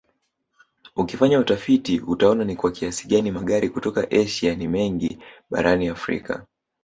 Ukifanya utafiti utaona ni kwa kiasi gani magari kutoka Asia ni mengi barani Afrika